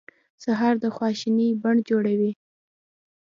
سهار د خوشبینۍ بڼ جوړوي.